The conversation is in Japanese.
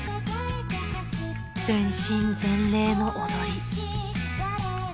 ［全身全霊の踊り］